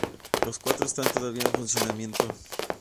Los cuatro están todavía en funcionamiento.